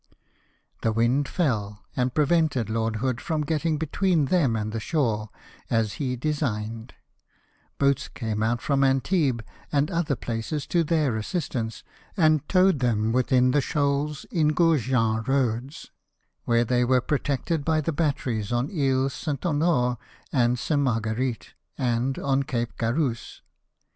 The wind fell, and prevented Lord Hood from getting between them and the shore, as he designed; boats came out from Antibes and other places to their assistance, and towed them within the shoals in Gourjean roads, where they were protected by the batteries on isles St. Honore and St. Mar guerite, and on Cape Garousse.